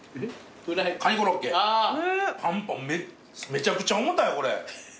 めちゃくちゃ重たいわこれ。